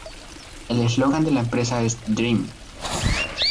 El eslogan de la empresa es "Dream.